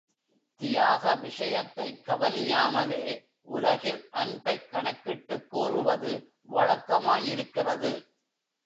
தியாக விஷயத்தைக் கவனியாமலே, உலகில் அன்பைக் கணக்கிட்டுக் கூறுவது வழக்கமாயிருக்கிறது.